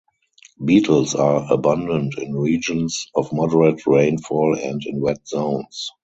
Beetles are abundant in regions of moderate rainfall and in wet zones.